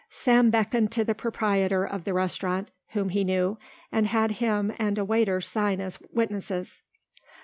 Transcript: Sam beckoned to the proprietor of the restaurant whom he knew and had him and a waiter sign as witnesses.